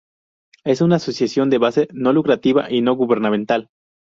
Es una asociación de base, no lucrativa y no gubernamental.